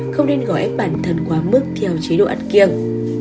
không nên gỏ ép bản thân quá mức theo chế độ ăn kiếng